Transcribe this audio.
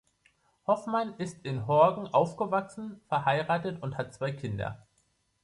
Hofmann ist in Horgen aufgewachsen, verheiratet und hat zwei Kinder.